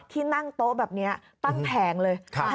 ที่นั่งโต๊ะแบบนี้ตั้งแผงเลย